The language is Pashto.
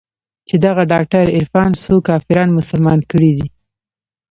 چې دغه ډاکتر عرفان څو کافران مسلمانان کړي دي.